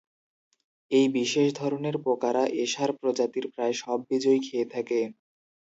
এই বিশেষ ধরনের পোকারা "এসার" প্রজাতির প্রায় সব বীজই খেয়ে থাকে।